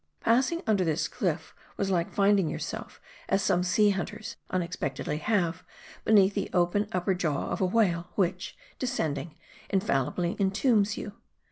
Passing under this cliff was like finding yourself, as some sea hunters unexpectedly have, beneath the open, upper jaw of a whale ; which, descending, infallibly entombs you.